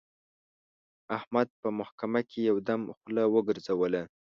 احمد په محکمه کې یو دم خوله وګرځوله.